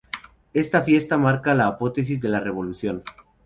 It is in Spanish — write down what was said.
Esta fiesta marca la apoteosis de la Revolución.